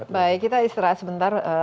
baik kita istirahat sebentar